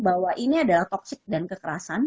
bahwa ini adalah toksik dan kekerasan